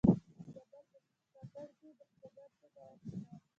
د زابل په کاکړ کې د سمنټو مواد شته.